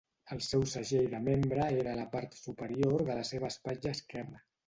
El seu segell de membre era a la part superior de la seva espatlla esquerra.